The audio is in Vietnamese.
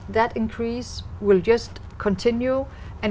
trong khu vực việt nam